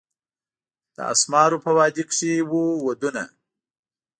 د اسمارو په وادي کښي وو ودونه